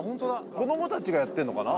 子どもたちがやってるのかな。